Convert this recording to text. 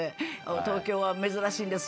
東京は珍しいんですよ。